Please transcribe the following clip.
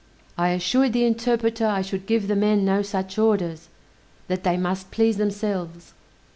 I assured the interpreter I should give the men no such orders, that they must please themselves.